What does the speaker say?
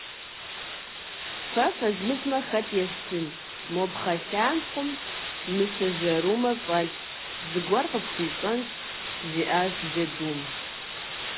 - Фэ фэзмытмэ, хэт естын: мо пхъэлъантхъуэм мыщэ жэрумэ фӏэлъщ, зыгуэр къыфхуищӏэнщ, жиӏащ джэдум.